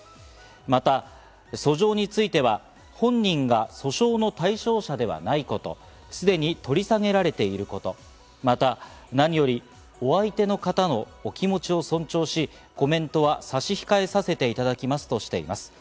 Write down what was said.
まだ訴状については、本人が訴訟の対象者ではないこと、すでに取り下げられていること、また何より、お相手の方のお気持ちを尊重し、コメントは差し控えさせていただきますとしています。